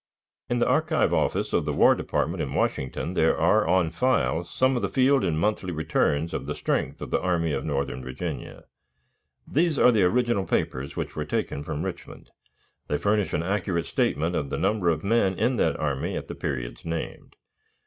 In the archive office of the War Department in Washington there are on file some of the field and monthly returns of the strength of the Army of Northern Virginia. These are the original papers which were taken from Richmond. They furnish an accurate statement of the number of men in that army at the periods named.